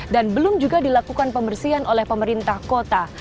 dan belum juga dilakukan pembersihan oleh pemerintah kota